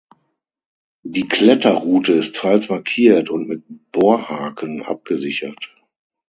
Die Kletterroute ist teils markiert und mit Bohrhaken abgesichert.